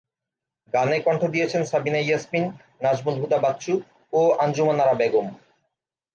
গানে কণ্ঠ দিয়েছেন সাবিনা ইয়াসমিন, নাজমুল হুদা বাচ্চু, ও আঞ্জুমান আরা বেগম।